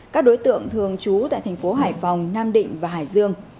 các đối tượng thường trú tại thành phố hải phòng nam định và hải dương